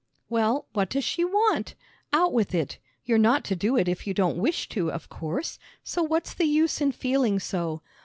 "Well, what does she want? Out with it. You're not to do it if you don't wish to, of course, so what's the use in feeling so?